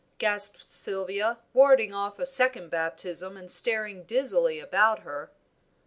gasped Sylvia, warding off a second baptism and staring dizzily about her.